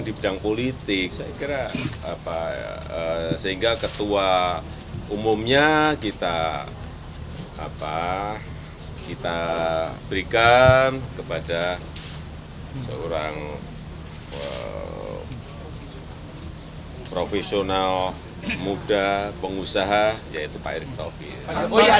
di bidang politik saya kira sehingga ketua umumnya kita berikan kepada seorang profesional muda pengusaha yaitu pak erick taufik